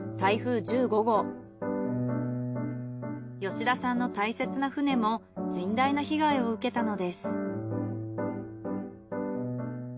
吉田さんの大切な船も甚大な被害を受けたのです。